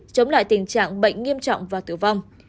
chống lại tình trạng bệnh nghiêm trọng và tử vong